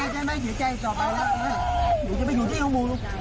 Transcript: ใช่ไหม